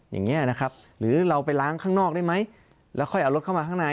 อย่างนี้นะครับหรือเราไปล้างข้างนอกได้ไหมแล้วค่อยเอารถเข้ามาข้างใน